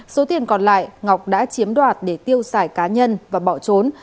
số tiền còn lại ngọc đã chiếm đoạt để tiêu xài cá nhân và bỏ trốn